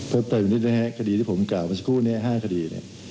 เพิ่มเติมนิดนะฮะคดีที่ผมกล่าวมาสักครู่นี้๕คดี